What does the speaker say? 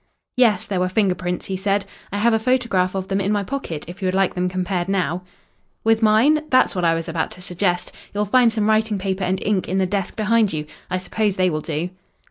"Yes, there were finger prints," he said. "I have a photograph of them in my pocket if you would like them compared now." "With mine? That's what I was about to suggest. You'll find some writing paper and ink in the desk behind you. I suppose they will do."